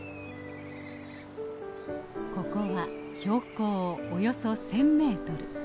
ここは標高およそ１，０００メートル。